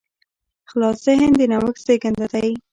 خلاص ذهن د نوښت زېږنده دی.